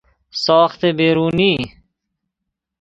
ساخت برونی